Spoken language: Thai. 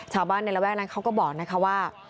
ชาวบ้านในระแวกนั้นเขาก็บอกนะคะว่า